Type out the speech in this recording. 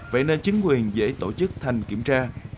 vậy nên chính quyền dễ tổ chức thành kiểm tra